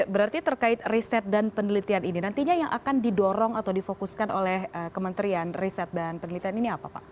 berarti terkait riset dan penelitian ini nantinya yang akan didorong atau difokuskan oleh kementerian riset dan penelitian ini apa pak